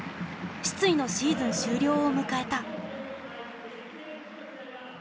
失意のシーズン終了を迎えた。